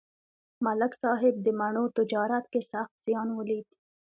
ملک صاحب د مڼو تجارت کې سخت زیان ولید.